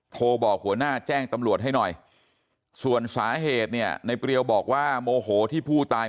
โทรบอกหัวหน้าแจ้งตำรวจให้หน่อยส่วนสาเหตุเนี่ยในเปรียวบอกว่าโมโหที่ผู้ตาย